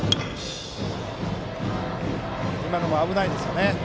今のも危ないですね。